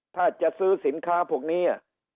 ถ้าจะซื้อสินค้าพวกนี้